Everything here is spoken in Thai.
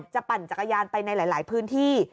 ปั่นจักรยานไปในหลายพื้นที่